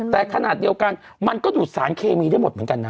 แต่ขนาดเดียวกันมันก็ดูดสารเคมีได้หมดเหมือนกันนะ